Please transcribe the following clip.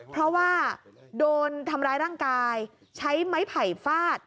เพราะว่าโดนทำร้ายร่างกายใช้ไม้ไผ่ฟาด